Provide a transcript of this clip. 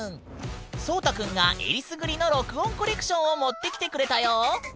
蒼太くんがえりすぐりの録音コレクションを持ってきてくれたよ。